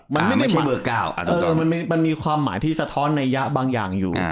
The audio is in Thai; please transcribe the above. มันไม่ได้ใช้เบอร์๙มันมีความหมายที่สะท้อนนัยยะบางอย่างอยู่